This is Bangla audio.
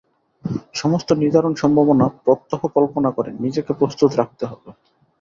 সমস্ত নিদারুণ সম্ভাবনা প্রত্যহ কল্পনা করে নিজেকে প্রস্তুত রাখতে হবে।